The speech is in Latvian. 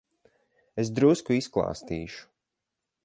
Es drusku izklāstīšu.